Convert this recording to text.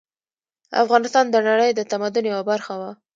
افغانستان د نړۍ د تمدن یوه برخه وه